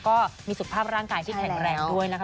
ก็มีสุขภาพร่างกายที่แข็งแรงด้วยนะคะ